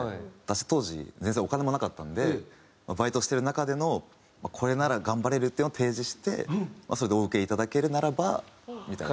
当時全然お金もなかったのでバイトしてる中でのこれなら頑張れるっていうのを提示してそれでお受けいただけるならばみたいな。